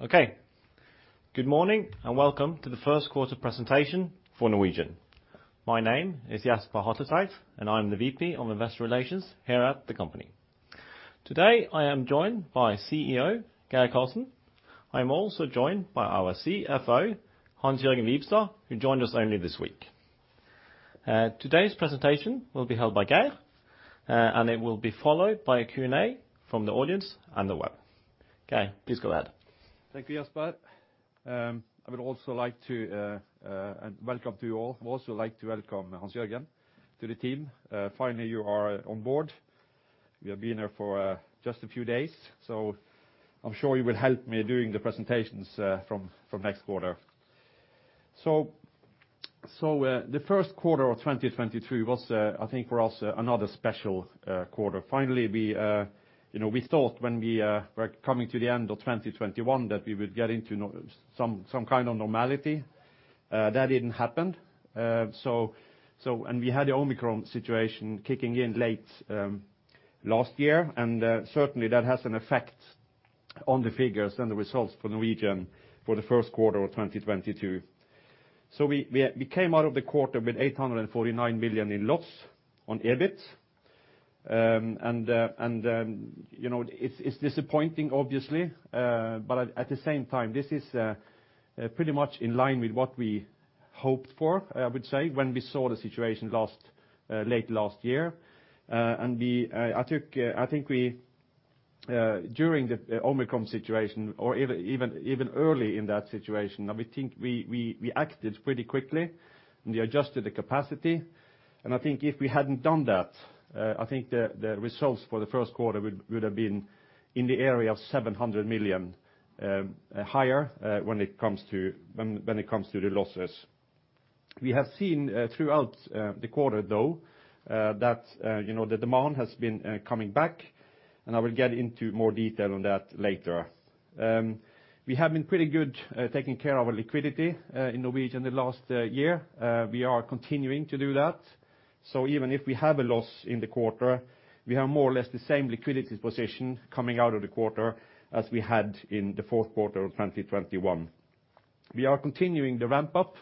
Okay. Good morning, and welcome to the first quarter presentation for Norwegian. My name is Jesper Hatletveit, and I'm the VP of Investor Relations here at the company. Today, I am joined by CEO Geir Karlsen. I'm also joined by our CFO, Hans-Jørgen Wibstad, who joined us only this week. Today's presentation will be held by Geir, and it will be followed by a Q&A from the audience on the web. Geir, please go ahead. Thank you, Jesper. I would also like to welcome you all. I would also like to welcome Hans-Jørgen to the team. Finally you are on board. You have been here for just a few days, so I'm sure you will help me doing the presentations from next quarter. The first quarter of 2023 was, I think for us, another special quarter. Finally, you know, we thought when we were coming to the end of 2021 that we would get into some kind of normality. That didn't happen. We had the Omicron situation kicking in late last year, and certainly that has an effect on the figures and the results for Norwegian for the first quarter of 2022. We came out of the quarter with 849 million in loss on EBIT. You know, it's disappointing obviously. But at the same time, this is pretty much in line with what we hoped for, I would say, when we saw the situation late last year. During the Omicron situation or even early in that situation, I think we acted pretty quickly, and we adjusted the capacity. I think if we hadn't done that, the results for the first quarter would have been in the area of 700 million higher when it comes to the losses. We have seen throughout the quarter though that you know the demand has been coming back, and I will get into more detail on that later. We have been pretty good taking care of our liquidity in Norwegian the last year. We are continuing to do that. Even if we have a loss in the quarter, we have more or less the same liquidity position coming out of the quarter as we had in the fourth quarter of 2021. We are continuing the ramp up,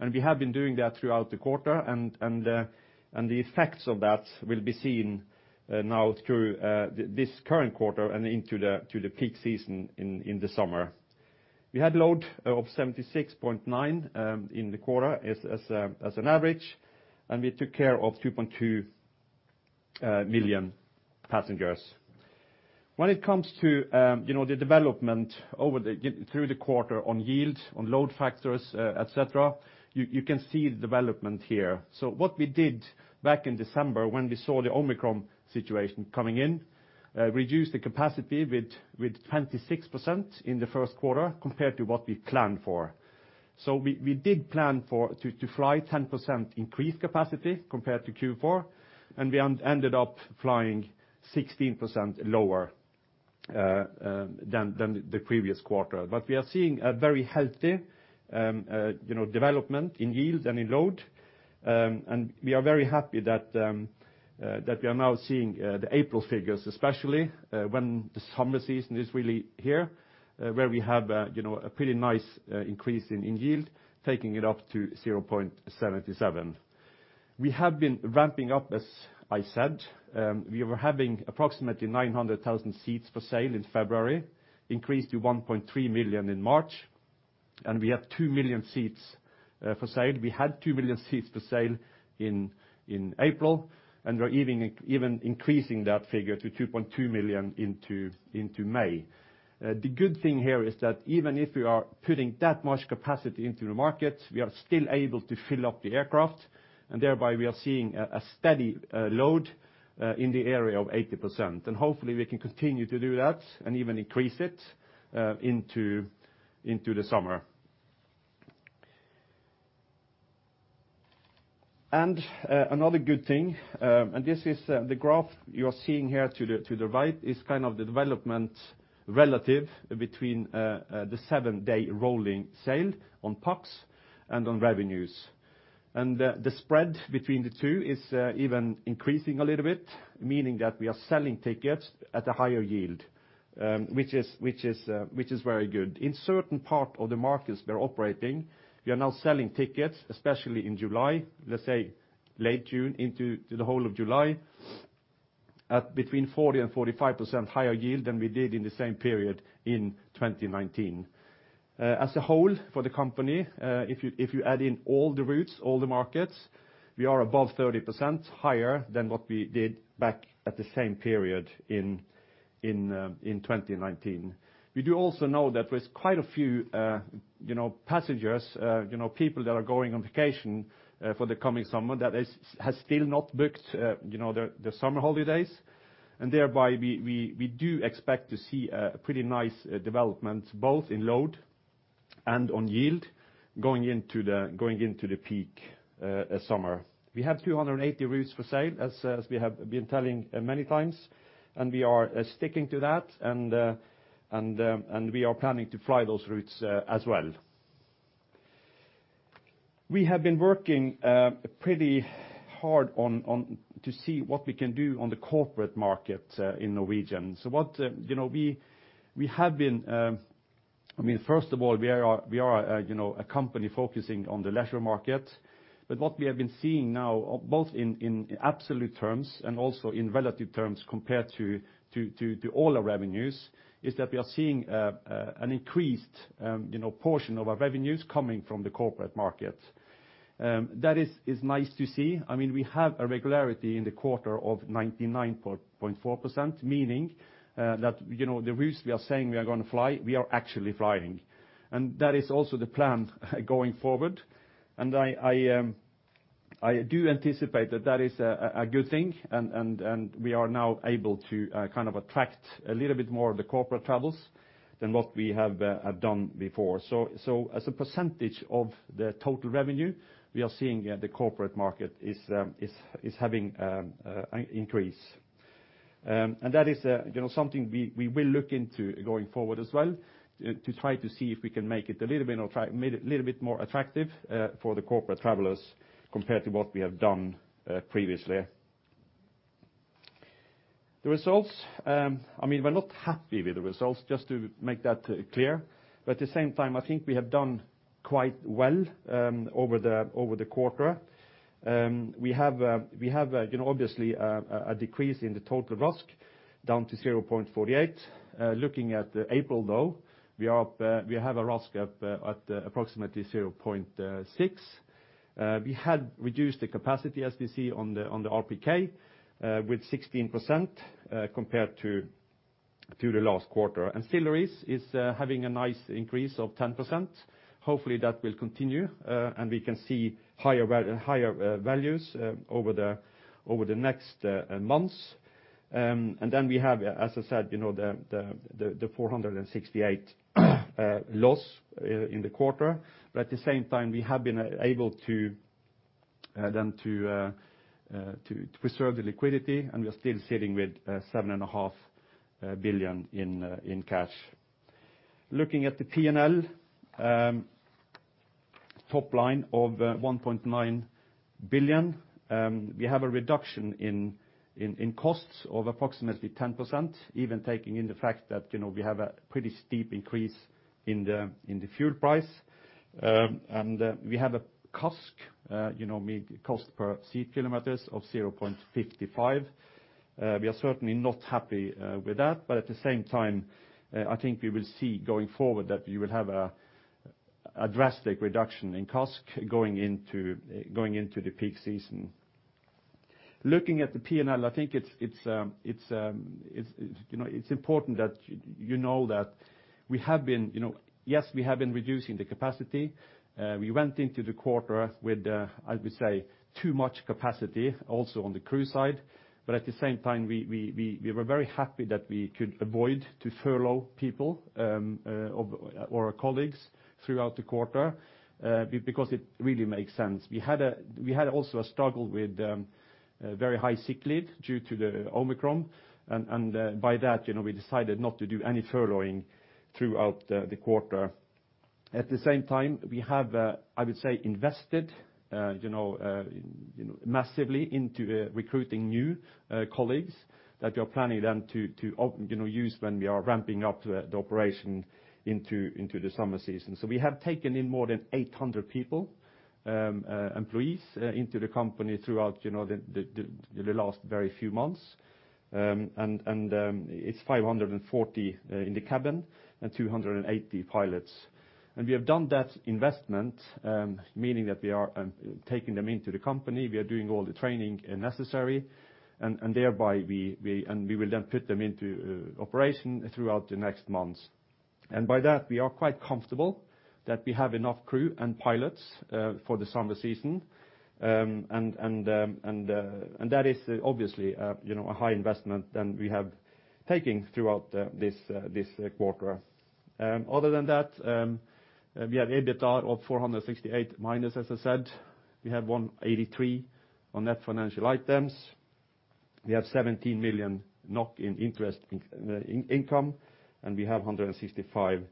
and we have been doing that throughout the quarter and the effects of that will be seen now through this current quarter and into the peak season in the summer. We had load of 76.9 in the quarter as an average, and we took care of 2.2 million passengers. When it comes to you know the development through the quarter on yield on load factors et cetera you can see the development here. What we did back in December when we saw the Omicron situation coming in reduced the capacity with 26% in the first quarter compared to what we planned for. We did plan for to fly 10% increased capacity compared to Q4, and we ended up flying 16% lower than the previous quarter. We are seeing a very healthy you know development in yield and in load. We are very happy that we are now seeing the April figures, especially when the summer season is really here, where we have you know a pretty nice increase in yield, taking it up to 0.77. We have been ramping up, as I said. We were having approximately 900,000 seats for sale in February, increased to 1.3 million in March, and we have 2 million seats for sale. We had 2 million seats for sale in April, and we're even increasing that figure to 2.2 million into May. The good thing here is that even if we are putting that much capacity into the market, we are still able to fill up the aircraft, and thereby we are seeing a steady load in the area of 80%. Hopefully we can continue to do that and even increase it into the summer. Another good thing, this is the graph you are seeing here to the right, is kind of the development relative between the seven-day rolling sale on pax and on revenues. The spread between the two is even increasing a little bit, meaning that we are selling tickets at a higher yield, which is very good. In certain part of the markets we are operating, we are now selling tickets, especially in July, let's say late June into the whole of July, at between 40% and 45% higher yield than we did in the same period in 2019. As a whole for the company, if you add in all the routes, all the markets, we are above 30% higher than what we did back at the same period in 2019. We do also know that with quite a few, you know, passengers, you know, people that are going on vacation for the coming summer that has still not booked, you know, their summer holidays. Thereby, we do expect to see a pretty nice development both in load and on yield going into the peak summer. We have 280 routes for sale, as we have been telling many times, and we are sticking to that, and we are planning to fly those routes as well. We have been working pretty hard to see what we can do on the corporate market in Norwegian. You know, we have been, I mean, first of all, we are, you know, a company focusing on the leisure market. What we have been seeing now, both in absolute terms and also in relative terms compared to all our revenues, is that we are seeing an increased, you know, portion of our revenues coming from the corporate market. That is nice to see. I mean, we have a regularity in the quarter of 99.4%, meaning that, you know, the routes we are saying we are going to fly, we are actually flying. That is also the plan going forward. I do anticipate that that is a good thing and we are now able to kind of attract a little bit more of the corporate travels than what we have done before. As a percentage of the total revenue, we are seeing the corporate market is having an increase. That is, you know, something we will look into going forward as well to try to see if we can make it a little bit more attractive for the corporate travelers compared to what we have done previously. The results, I mean, we're not happy with the results, just to make that clear. At the same time, I think we have done quite well over the quarter. We have, you know, obviously, a decrease in the total RASK down to 0.48. Looking at April though, we are up, we have a RASK up at approximately 0.6. We had reduced the capacity, as we see, on the RPK with 16% compared to the last quarter. Ancillaries is having a nice increase of 10%. Hopefully, that will continue, and we can see higher values over the next months. Then we have, as I said, you know, the $468 loss in the quarter. At the same time, we have been able to preserve the liquidity, and we are still sitting with $7.5 billion in cash. Looking at the P&L, top line of 1.9 billion, we have a reduction in costs of approximately 10%, even taking in the fact that, you know, we have a pretty steep increase in the fuel price. We have a CASK, you know, mean cost per seat kilometers of 0.55. We are certainly not happy with that, but at the same time, I think we will see going forward that you will have a drastic reduction in CASK going into the peak season. Looking at the P&L, I think it's important that you know that we have been, you know, yes, we have been reducing the capacity. We went into the quarter with, I would say, too much capacity also on the crew side. At the same time, we were very happy that we could avoid to furlough people, or our colleagues throughout the quarter, because it really makes sense. We had also a struggle with very high sick leave due to the Omicron. By that, you know, we decided not to do any furloughing throughout the quarter. At the same time, we have, I would say, invested you know massively into recruiting new colleagues that we are planning then to you know use when we are ramping up the operation into the summer season. We have taken in more than 800 people, employees, into the company throughout you know the last very few months. It's 540 in the cabin and 280 pilots. We have done that investment, meaning that we are taking them into the company. We are doing all the training necessary, and thereby we will then put them into operation throughout the next months. By that, we are quite comfortable that we have enough crew and pilots for the summer season. That is obviously, you know, a higher investment than we have taken throughout this quarter. Other than that, we have EBITDA of -468 million, as I said. We have -183 million on net financial items. We have 17 million NOK in interest income, and we have 165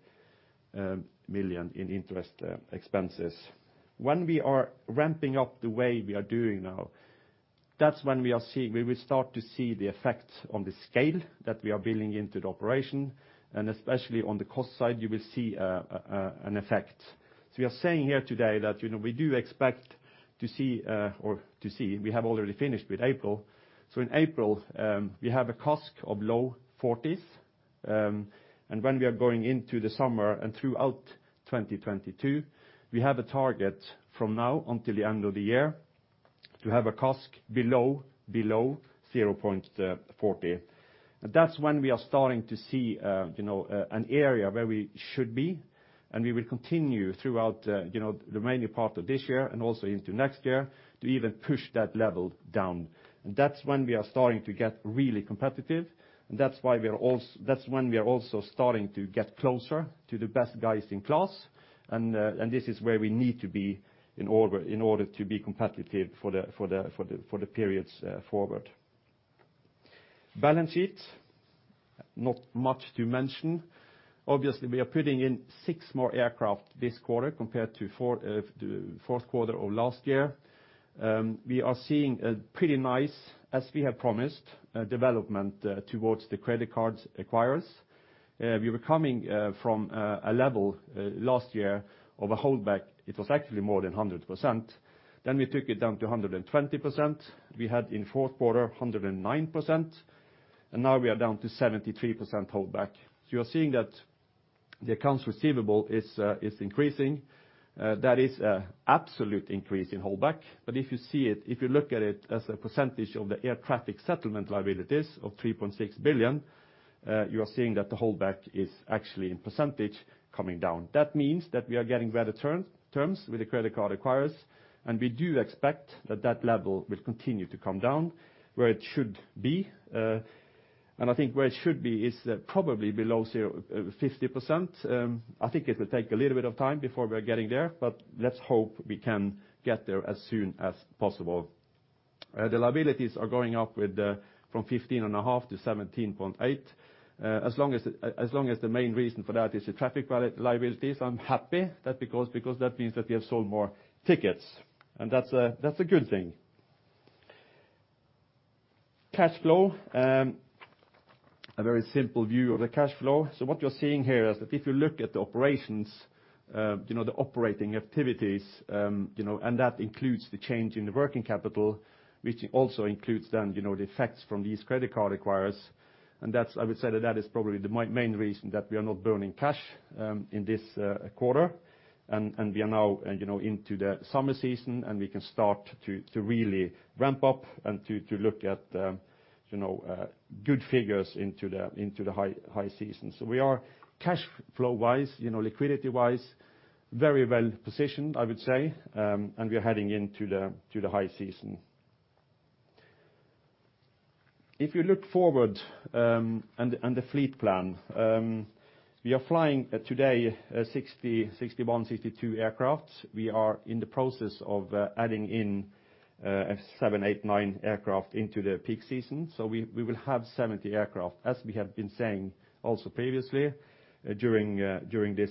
million in interest expenses. When we are ramping up the way we are doing now, that's when we will start to see the effects on the scale that we are building into the operation, and especially on the cost side, you will see an effect. We are saying here today that, you know, we do expect to see. We have already finished with April. In April, we have a CASK of low 40s. When we are going into the summer and throughout 2022, we have a target from now until the end of the year to have a CASK below 0.40. That's when we are starting to see, you know, an area where we should be, and we will continue throughout, you know, the remaining part of this year and also into next year to even push that level down. That's when we are starting to get really competitive, and that's why we are also starting to get closer to the best guys in class, and this is where we need to be in order to be competitive for the periods forward. Balance sheet, not much to mention. Obviously, we are putting in 6 more aircraft this quarter compared to, the fourth quarter of last year. We are seeing a pretty nice, as we have promised, development towards the credit cards acquirers. We were coming from a level last year of a holdback. It was actually more than 100%. We took it down to 120%. We had in fourth quarter 109%, and now we are down to 73% holdback. You are seeing that the accounts receivable is increasing, that is an absolute increase in holdback. If you see it, if you look at it as a percentage of the air traffic settlement liabilities of 3.6 billion, you are seeing that the holdback is actually in percentage coming down. That means that we are getting better terms with the credit card acquirers, and we do expect that that level will continue to come down where it should be. I think where it should be is probably below 50%. I think it will take a little b it of time before we are getting there, but let's hope we can get there as soon as possible. The liabilities are going up from 15.5%-17.8%. As long as the main reason for that is the traffic liabilities, I'm happy because that means that we have sold more tickets, and that's a good thing. Cash flow, a very simple view of the cash flow. What you're seeing here is that if you look at the operations, you know, the operating activities, you know, and that includes the change in the working capital, which also includes then, you know, the effects from these credit card acquirers. That's, I would say, that is probably the main reason that we are not burning cash in this quarter. We are now, you know, into the summer season, and we can start to really ramp up and to look at, you know, good figures into the high season. We are cashflow-wise, you know, liquidity-wise, very well positioned, I would say, and we're heading into the high season. If you look forward, and the fleet plan, we are flying today 60, 61, 62 aircraft. We are in the process of adding in seven, eight, nine aircraft into the peak season. We will have 70 aircraft, as we have been saying also previously, during this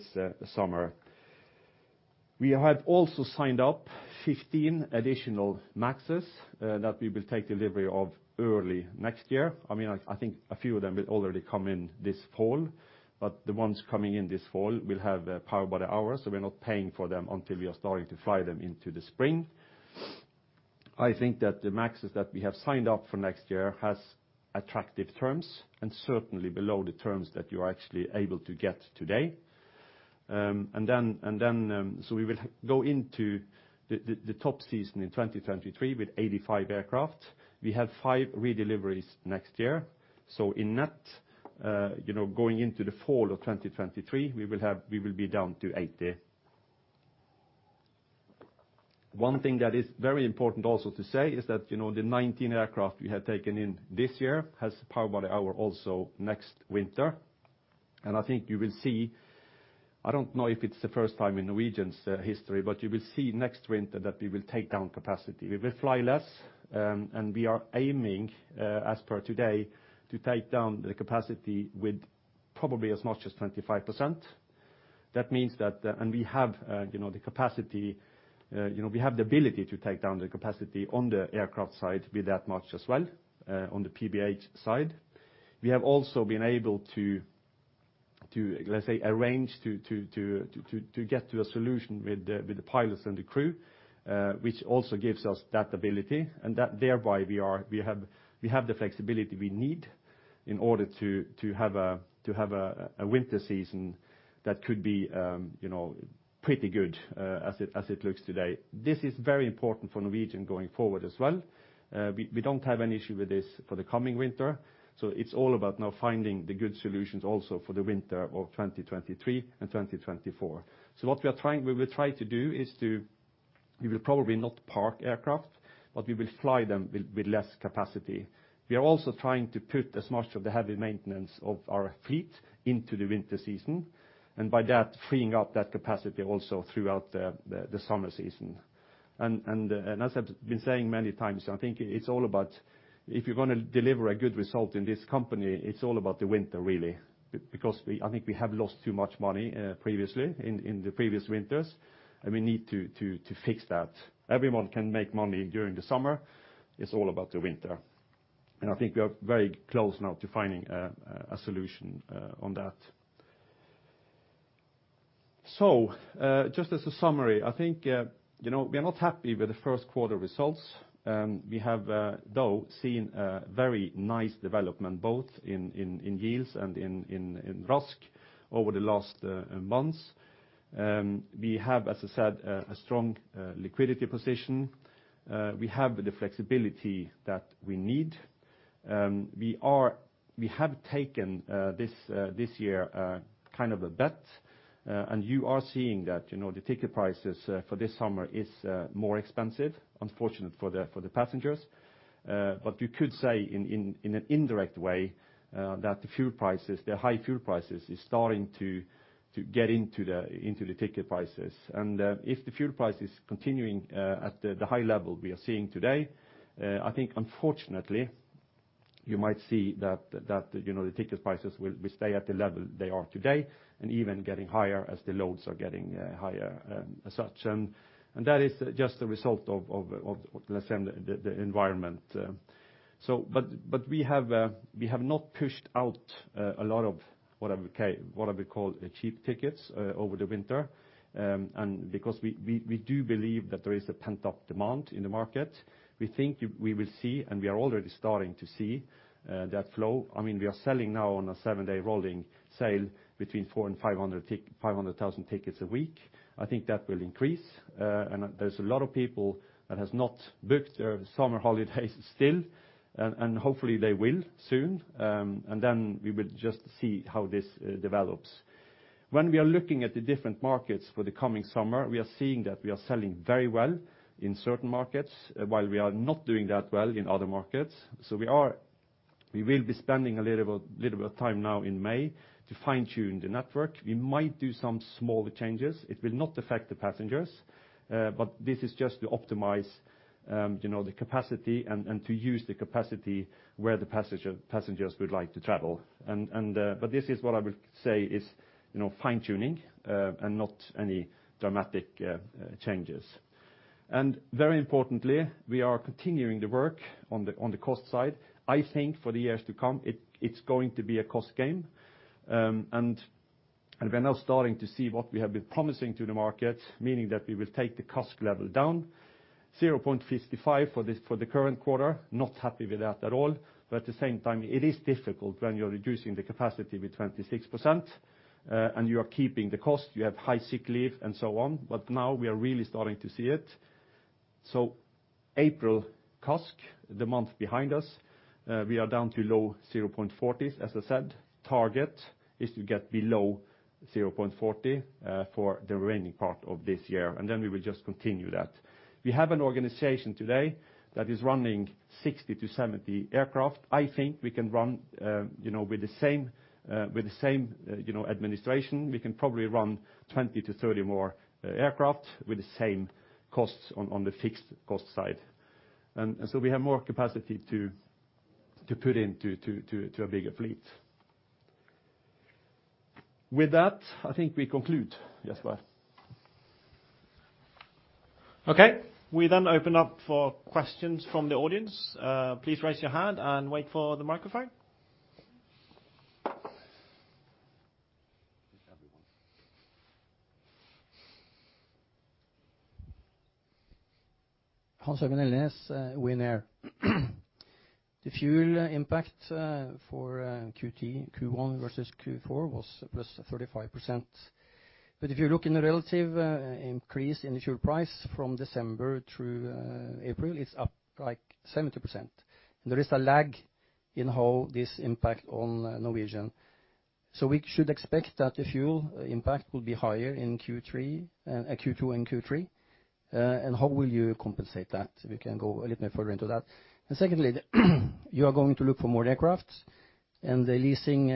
summer. We have also signed up 15 additional MAXes that we will take delivery of early next year. I mean, I think a few of them will already come in this fall, but the ones coming in this fall will have power by the hour, so we're not paying for them until we are starting to fly them into the spring. I think that the MAXes that we have signed up for next year has attractive terms and certainly below the terms that you are actually able to get today. We will go into the top season in 2023 with 85 aircraft. We have five redeliveries next year. In net, you know, going into the fall of 2023, we will be down to 80. One thing that is very important also to say is that, you know, the 19 aircraft we have taken in this year has power by the hour also next winter. I think you will see, I don't know if it's the first time in Norwegian's history, but you will see next winter that we will take down capacity. We will fly less, and we are aiming, as per today to take down the capacity with probably as much as 25%. That means that, and we have, you know, the capacity, you know, we have the ability to take down the capacity on the aircraft side with that much as well, on the PBH side. We have also been able to, let's say, arrange to get to a solution with the pilots and the crew, which also gives us that ability and that thereby we have the flexibility we need in order to have a winter season that could be, you know, pretty good, as it looks today. This is very important for Norwegian going forward as well. We don't have any issue with this for the coming winter, so it's all about now finding the good solutions also for the winter of 2023 and 2024. What we will try to do is we will probably not park aircraft, but we will fly them with less capacity. We are also trying to put as much of the heavy maintenance of our fleet into the winter season, and by that, freeing up that capacity also throughout the summer season. As I've been saying many times, I think it's all about if you're gonna deliver a good result in this company, it's all about the winter really because I think we have lost too much money previously in the previous winters, and we need to fix that. Everyone can make money during the summer. It's all about the winter. I think we are very close now to finding a solution on that. Just as a summary, I think you know, we are not happy with the first quarter results. We have though seen a very nice development both in yields and in RASK over the last months. We have, as I said, a strong liquidity position. We have the flexibility that we need. We have taken this year kind of a bet, and you are seeing that, you know, the ticket prices for this summer is more expensive, unfortunate for the passengers. You could say in an indirect way that the fuel prices, the high fuel prices is starting to get into the ticket prices. If the fuel price is continuing at the high level we are seeing today, I think unfortunately you might see that, you know, the ticket prices will stay at the level they are today and even getting higher as the loads are getting higher, as such. That is just a result of, let's say the environment. But we have not pushed out a lot of what I would call cheap tickets over the winter. Because we do believe that there is a pent-up demand in the market, we think we will see and we are already starting to see that flow. I mean, we are selling now on a seven-day rolling sale between 400 and 500 thousand tickets a week. I think that will increase. There's a lot of people that has not booked their summer holidays still, and hopefully they will soon. We will just see how this develops. When we are looking at the different markets for the coming summer, we are seeing that we are selling very well in certain markets, while we are not doing that well in other markets. We will be spending a little bit of time now in May to fine-tune the network. We might do some small changes. It will not affect the passengers, but this is just to optimize, you know, the capacity and but this is what I would say is, you know, fine-tuning, and not any dramatic changes. Very importantly, we are continuing the work on the cost side. I think for the years to come, it's going to be a cost game. We're now starting to see what we have been promising to the market, meaning that we will take the CASK level down 0.55 for the current quarter. Not happy with that at all. At the same time, it is difficult when you're reducing the capacity with 26%, and you are keeping the cost, you have high sick leave and so on. Now we are really starting to see it. April CASK, the month behind us, we are down to low 0.40. As I said, target is to get below 0.40 for the remaining part of this year, and then we will just continue that. We have an organization today that is running 60-70 aircraft. I think we can run with the same administration. We can probably run 20-30 more aircraft with the same costs on the fixed cost side. We have more capacity to put into a bigger fleet. With that, I think we conclude. Yes, well. Okay. We then open up for questions from the audience. Please raise your hand and wait for the microphone. Hans-Olav Næss, Widerøe. The fuel impact for Q1 versus Q4 was plus 35%. If you look at the relative increase in the fuel price from December through April, it's up like 70%. There is a lag in how this impacts Norwegian. We should expect that the fuel impact will be higher in Q2 and Q3. How will you compensate that? If you can go a little bit further into that. Secondly, you are going to look for more aircraft, and the leasing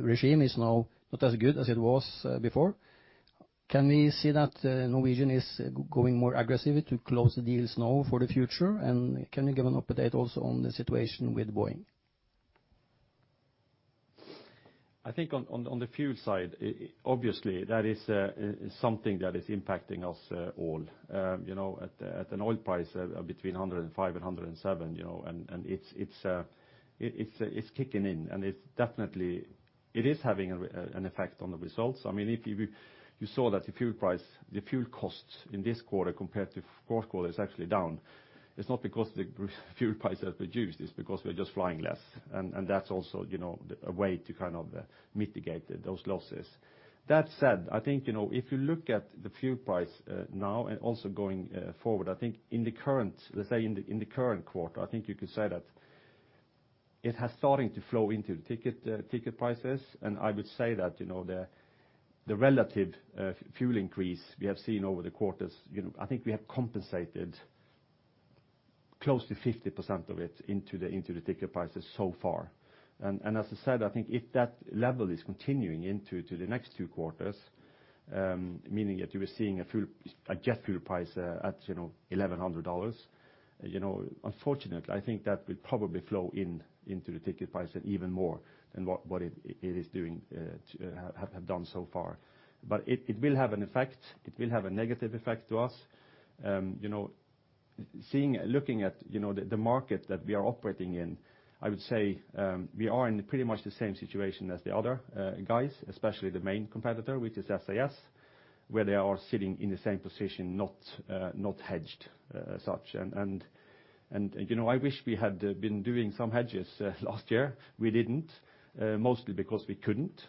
regime is now not as good as it was before. Can we see that Norwegian is going more aggressive to close the deals now for the future? Can you give an update also on the situation with Boeing? I think on the fuel side, obviously, that is something that is impacting us all. You know, at an oil price between $105 and $107, you know, and it's kicking in, and it's definitely having an effect on the results. I mean, if you saw that the fuel price, the fuel costs in this quarter compared to fourth quarter is actually down, it's not because the fuel prices have reduced, it's because we're just flying less. That's also you know a way to kind of mitigate those losses. That said, I think, you know, if you look at the fuel price now and also going forward, I think, let's say, in the current quarter, I think you could say that it has started to flow into the ticket prices. I would say that, you know, the relative fuel increase we have seen over the quarters, you know, I think we have compensated close to 50% of it into the ticket prices so far. As I said, I think if that level is continuing into the next two quarters, meaning that you were seeing a jet fuel price at, you know, $1,100, you know, unfortunately, I think that will probably flow into the ticket prices even more than what it has done so far. It will have an effect. It will have a negative effect to us. You know, looking at, you know, the market that we are operating in, I would say, we are in pretty much the same situation as the other guys, especially the main competitor, which is SAS, where they are sitting in the same position, not hedged, as such. You know, I wish we had been doing some hedges last year. We didn't mostly because we couldn't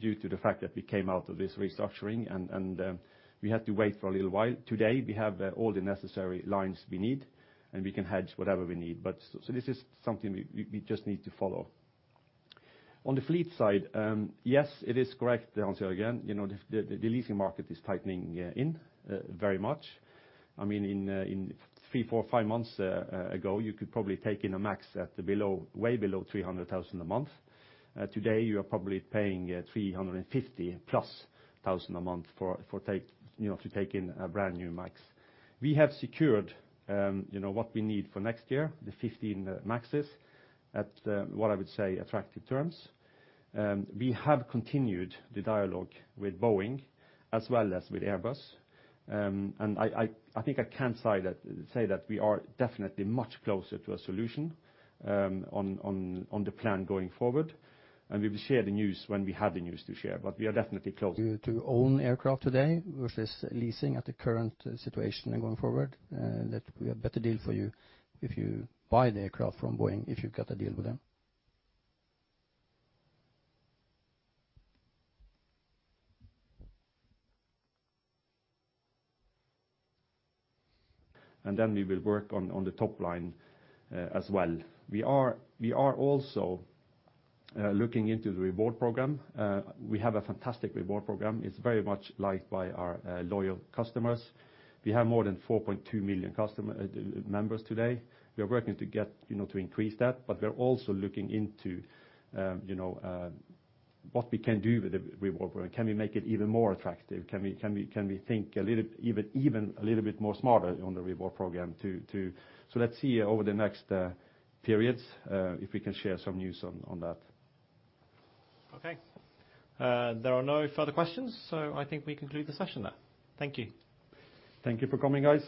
due to the fact that we came out of this restructuring and we had to wait for a little while. Today, we have all the necessary lines we need, and we can hedge whatever we need. This is something we just need to follow. On the fleet side, yes, it is correct to answer again. You know, the leasing market is tightening very much. I mean, in three, four, five months ago, you could probably take in a MAX at below, way below 300,000 a month. Today, you are probably paying 350,000+ a month for, you know, to take in a brand-new MAX. We have secured, you know, what we need for next year, the 15 MAXs at what I would say attractive terms. We have continued the dialogue with Boeing as well as with Airbus. I think I can say that we are definitely much closer to a solution on the plan going forward, and we will share the news when we have the news to share. We are definitely closer. To own aircraft today versus leasing at the current situation and going forward, that we have better deal for you if you buy the aircraft from Boeing, if you got a deal with them. Then we will work on the top line as well. We are also looking into the Norwegian Reward. We have a fantastic Norwegian Reward. It's very much liked by our loyal customers. We have more than 4.2 million customer members today. We are working to get, you know, to increase that, but we're also looking into, you know, what we can do with the Norwegian Reward. Can we make it even more attractive? Can we think a little even a little bit more smarter on the Norwegian Reward to. Let's see over the next periods if we can share some news on that. Okay. There are no further questions, so I think we conclude the session then. Thank you. Thank you for coming, guys.